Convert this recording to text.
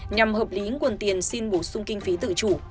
nhằm hợp lý nguồn tiền xin bổ sung kinh phí tự chủ